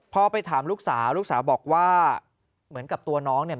พอไปถามลูกสาวลูกสาวบอกว่าเหมือนกับตัวน้องเนี่ย